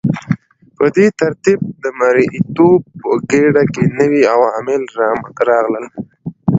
په دې ترتیب د مرئیتوب په ګیډه کې نوي عوامل راغلل.